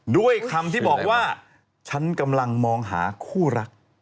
ด้วยคำที่บอกว่าฉันกำลังมองหาคู่รัก